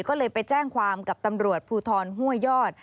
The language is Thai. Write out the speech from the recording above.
ก็เลยไปแจ้งความกับตำรวจภูทรห้วยยอด